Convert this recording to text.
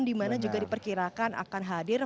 dimana juga diperkirakan akan hadir